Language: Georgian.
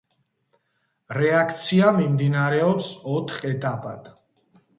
რეაქცია მიმდინარეობს ოთხ ეტაპად.